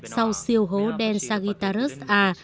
sau siêu hố đen sagittarius a